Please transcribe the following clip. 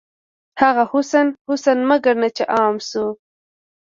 هغه حسن، حسن مه ګڼه چې عام شو